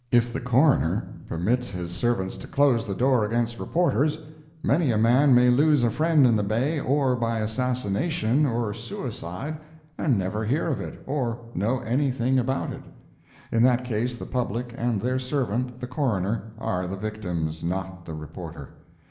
If the Coroner permits his servants to close the door against reporters, many a man may lose a friend in the Bay, or by assassination, or suicide, and never hear of it, or know anything about it; in that case, the public and their servant, the Coroner, are the victims, not the reporter.